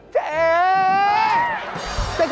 เจ๊